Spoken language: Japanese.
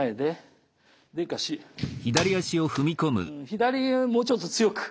左もうちょっと強く。